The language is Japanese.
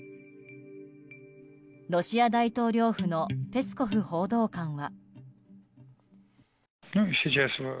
ロシア大統領府のペスコフ報道官は。